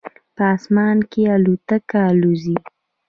په اسمان کې الوتکه الوزي